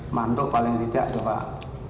mantuk paling tidak pak